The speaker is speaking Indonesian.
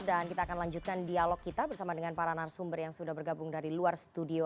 dan kita akan lanjutkan dialog kita bersama dengan para narasumber yang sudah bergabung dari luar studio